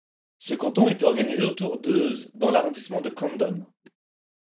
Ce canton était organisé autour d'Eauze dans l'arrondissement de Condom.